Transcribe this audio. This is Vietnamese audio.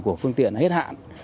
của phương tiện hết hạn